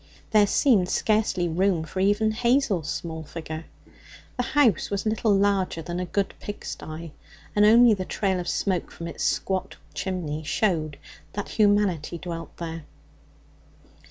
There seemed scarcely room for even Hazel's small figure. The house was little larger than a good pigsty, and only the trail of smoke from its squat chimney showed that humanity dwelt there.